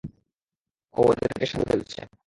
ও ওদেরকে সারিয়ে ফেলছে।